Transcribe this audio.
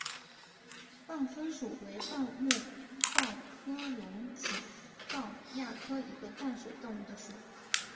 蛏蚌属为蚌目蚌科隆嵴蚌亚科一个淡水动物的属。